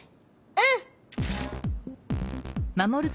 うん！